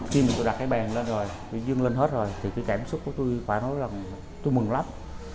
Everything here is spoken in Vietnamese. khi mình tôi đặt cái bàn lên rồi tôi dương lên hết rồi thì cái cảm xúc của tôi phải nói là tôi mừng lắm